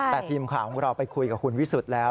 แต่ทีมข่าวของเราไปคุยกับคุณวิสุทธิ์แล้ว